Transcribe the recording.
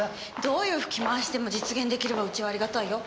どういう吹き回しでも実現できればうちはありがたいよ。